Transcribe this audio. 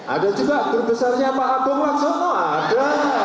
ada juga grup besarnya pak agung laksono ada